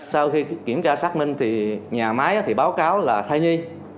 sau khi kiểm tra xác minh thì nhà máy thì báo cáo là thai nhi